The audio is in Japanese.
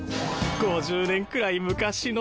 ５０年くらい昔の。